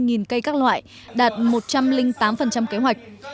tất cả các loại đạt một trăm linh tám kế hoạch